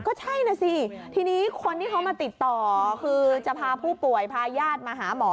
ก็ใช่นะสิทีนี้คนที่เขามาติดต่อคือจะพาผู้ป่วยพาญาติมาหาหมอ